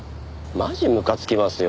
マジむかつきますよ。